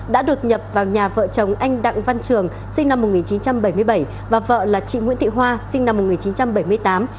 đã đột nhập vào nhà vợ chồng anh đặng văn trường sinh năm một nghìn chín trăm bảy mươi bảy và vợ là chị nguyễn thị hoa sinh năm một nghìn chín trăm bảy mươi tám